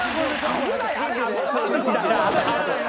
危ない。